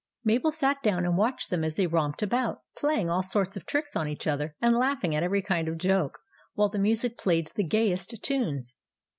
Mabel sat down and watched them as they romped about, playing all sorts of tricks on each other, and laughing at every kind of joke, w r hile the music played the gayest tunes.